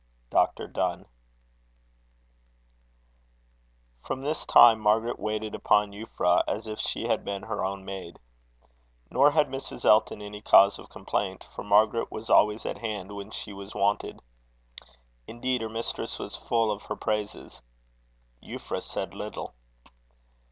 DR. DONNE. From this time, Margaret waited upon Euphra, as if she had been her own maid. Nor had Mrs. Elton any cause of complaint, for Margaret was always at hand when she was wanted. Indeed, her mistress was full of her praises. Euphra said little.